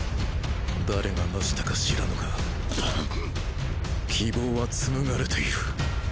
誰が成したか知らぬが希望は紡がれている！